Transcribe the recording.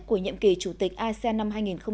của nhiệm kỳ chủ tịch asean năm hai nghìn hai mươi